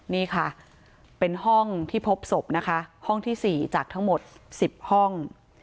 นี่ค่ะเป็นห้องที่พบศพนะคะห้องที่๔จากทั้งหมด๑๐ห้อง